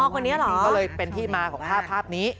ก็เลยเป็นที่มาของภาพนี้